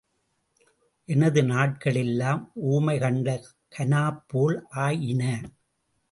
எனது நாட்கள் எல்லாம் ஊமை கண்ட கனாப்போல் ஆயின.